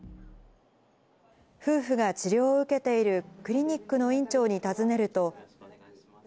夫婦が治療を受けているクリニックの院長に尋ねると。